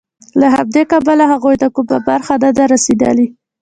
له همدې کبله هغوی ته کومه برخه نه ده رسېدلې